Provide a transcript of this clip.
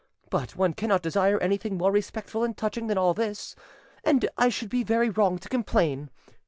But one cannot desire anything more respectful and touching than all this, and I should be very wrong to complain.